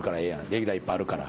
レギュラーいっぱいあるから。